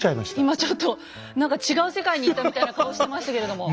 今ちょっと何か違う世界に行ったみたいな顔してましたけれども。